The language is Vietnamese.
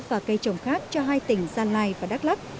và cây trồng khác cho hai tỉnh gia lai và đắk lắc